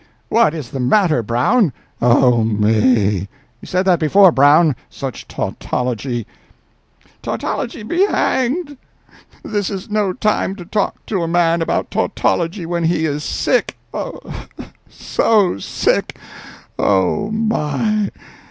"What is the matter, Brown?" "Oh, me!" "You said that before, Brown. Such tautology—" "Tautology be hanged! This is no time to talk to a man about tautology when he is sick—so sick—oh, my!